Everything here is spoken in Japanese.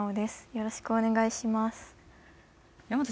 よろしくお願いします